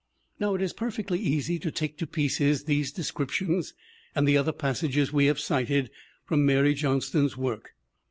Now it is perfectly easy to take to pieces these descriptions and the other passages we have cited from Mary Johnston's work.